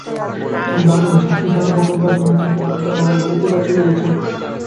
আমি ভাবলুম, সাক্ষী সংগ্রহ করবার জন্যে তিনি পঞ্চুদের মামার বাড়িতেই বা চলে গেছেন।